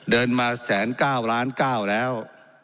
เดินมาแสนก้าวล้านก้าวแล้ว